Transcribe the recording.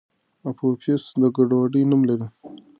اپوفیس د ګډوډۍ نوم لري.